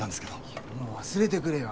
いやもう忘れてくれよ。